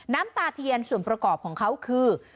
น้ำตาเทียนส่วนประกอบของเขาคือ